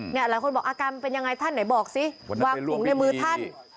หลายคนบอกอาการมันเป็นยังไงท่านไหนบอกสิวางถุงในมือท่าน